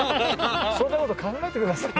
そんな事考えてください！